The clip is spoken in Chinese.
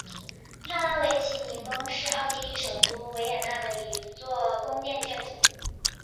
帕拉维奇尼宫是奥地利首都维也纳的一座宫殿建筑。